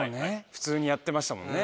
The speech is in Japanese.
普通にやってましたもんね。